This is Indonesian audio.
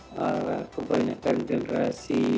karena kebanyakan generasi